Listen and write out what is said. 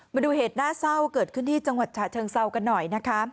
มาดูเหตุน่าเศร้าเกิดขึ้นที่จังหวัดฉะเชิงเซากันหน่อยนะคะ